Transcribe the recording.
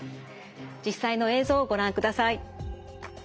実際の映像をご覧ください。